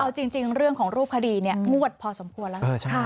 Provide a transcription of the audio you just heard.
เอ้าจริงเรื่องของรูปคดีงวดพอสมควรแล้ว